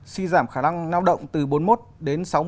suy giảm khả năng lao động từ bốn mươi một đến sáu mươi